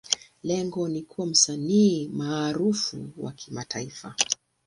Lengo ni kuwa msanii maarufu wa kimataifa.